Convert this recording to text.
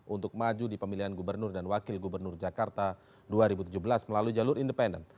untuk maju di pemilihan gubernur dan wakil gubernur jakarta dua ribu tujuh belas melalui jalur independen